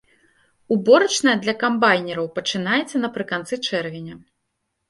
Уборачная для камбайнераў пачынаецца напрыканцы чэрвеня.